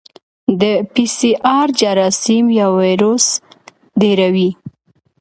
د پی سي ار جراثیم یا وایرس ډېروي.